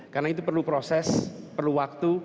karena itu perlu proses perlu waktu